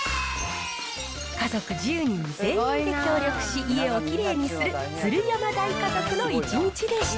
家族１０人全員で協力し、家をきれいにする鶴山大家族の１日でした。